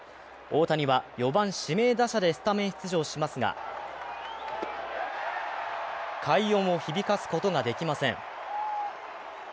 大谷は４番・指名打者でスタメン出場しますが快音を響かすことができません。